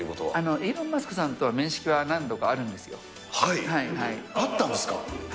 イーロン・マスクさんとは面はい、あったんですか？